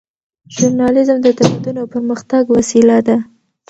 ژورنالیزم د تمدن او پرمختګ وسیله ده.